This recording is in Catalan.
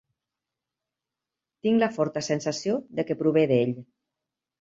Tinc la forta sensació de que prové d'ell.